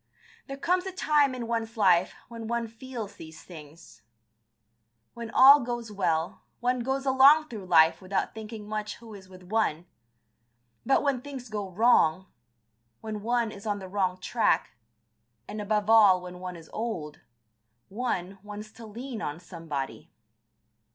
There comes a time in one's life when one feels these things. When all goes well, one goes along through life without thinking much who is with one, but when things go wrong, when one is on the wrong track, and above all when one is old, one wants to lean on somebody.